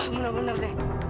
munah munah d